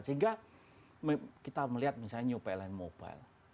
sehingga kita melihat misalnya new pln mobile